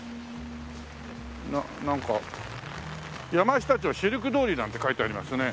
なんか「山下町シルク通り」なんて書いてありますね。